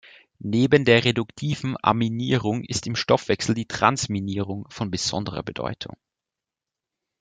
Neben der reduktiven Aminierung ist im Stoffwechsel die Transaminierung von besonderer Bedeutung.